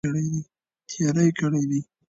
تیرې کړي دي.